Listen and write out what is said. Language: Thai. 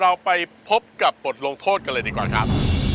เราไปพบกับบทลงโทษกันเลยดีกว่าครับ